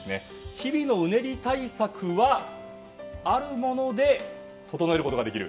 日々のうねり対策はあるもので整えることができる。